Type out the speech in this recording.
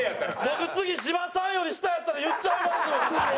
僕次芝さんより下やったら言っちゃいます。